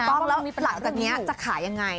ต้องแล้วหลังจากนี้จะขายยังไง